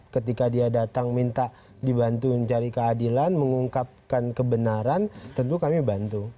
ketika dia datang minta dibantu mencari keadilan mengungkapkan kebenaran tentu kami bantu